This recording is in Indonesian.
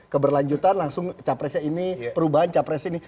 keberlanjutan langsung capresnya ini perubahan capres ini